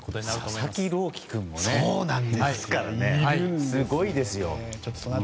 佐々木朗希君もいてすごいですよ。